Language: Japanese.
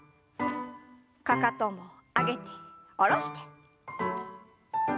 かかとも上げて下ろして。